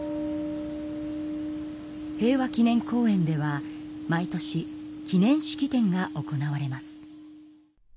平和記念公園では毎年記念式典が行われます。